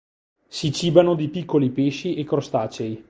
Si cibano di piccoli pesci e crostacei.